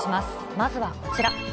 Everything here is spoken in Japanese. まずはこちら。